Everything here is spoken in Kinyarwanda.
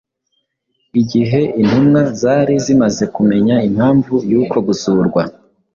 Igihe intumwa zari zimaze kumenya impamvu y’uko gusurwa